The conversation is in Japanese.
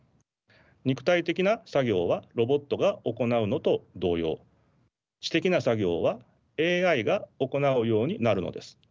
肉体的な作業はロボットが行うのと同様知的な作業はＡＩが行うようになるのです。